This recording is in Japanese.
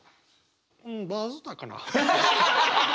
うんバズったかな。